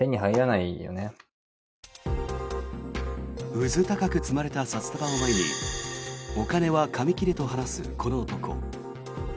うずたかく積まれた札束を前にお金は紙切れと話すこの男。